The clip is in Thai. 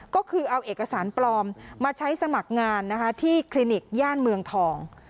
ก็คือเอาเอกสารปลอมมาใช้สมัครงานที่คลินิกย่านเมืองทอง